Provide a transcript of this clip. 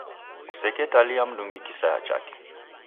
Kuseketalia mndungi kisaya chake.